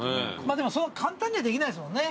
そんな簡単にはできないっすもんね